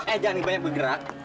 eh jangan nih banyak bergerak